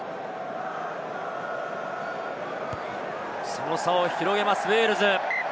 その差を広げます、ウェールズ。